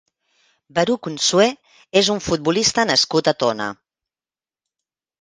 Baruc Nsue és un futbolista nascut a Tona.